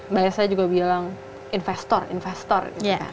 mbak esa juga bilang investor investor